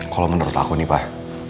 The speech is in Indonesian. kalau menurut aku nih bar